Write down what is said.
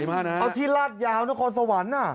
เอาที่ลาดยาวนครสวรรค์